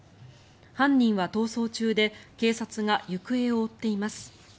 犯人は逃走中で警察が行方を追っています。